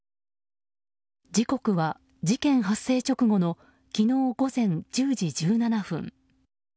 時刻は事件発生直後の昨日午前１０時１７分。